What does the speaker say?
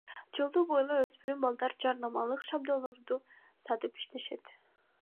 Жолду бойлой өспүрүм балдар жарнамалык шаблондорду сатып иштешет.